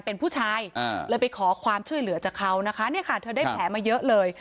เป็นผู้ชายเลยไปขอความช่วยเหลือจากเขานะคะเนี่ยค่ะเธอได้แผลมาเยอะเลย